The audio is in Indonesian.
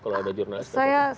kalau ada jurnalis